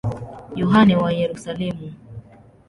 Yohane wa Yerusalemu.